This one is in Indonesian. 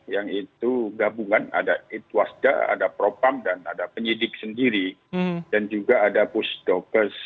yang itu gabungan ada itwasda ada propam dan ada penyidik sendiri dan juga ada pusdokes